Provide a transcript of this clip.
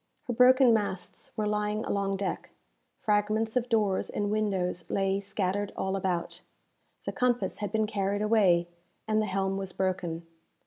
Her broken masts were lying along deck fragments of doors and windows lay scattered all about the compass had been carried away, and the helm was broken.